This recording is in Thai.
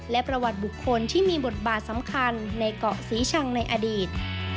และประวัติบุคคลที่มีบทบาทสำคัญในเกาะศรีชังในอดีต